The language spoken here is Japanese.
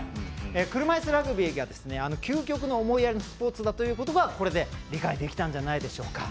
車いすラグビーが究極の思いやりのスポーツだということがこれで理解できたんじゃないでしょうか。